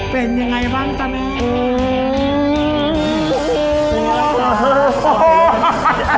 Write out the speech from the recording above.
เป็นยังไงบ้างตอนนี้